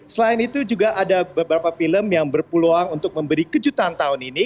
selain itu juga ada beberapa film yang berpeluang untuk memberi kejutan tahun ini